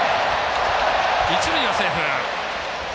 一塁はセーフ。